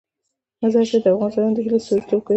مزارشریف د افغان ځوانانو د هیلو استازیتوب کوي.